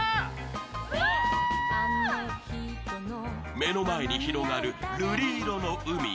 目の前に広がる瑠璃色の海。